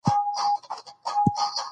صداقت زموږ لومړیتوب دی.